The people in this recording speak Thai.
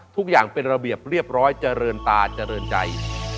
ทุกอย่างเป็นระเบียบเรียบร้อยเจริญตาเจริญใจ